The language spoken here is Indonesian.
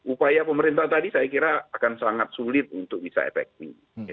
upaya pemerintah tadi saya kira akan sangat sulit untuk bisa efektif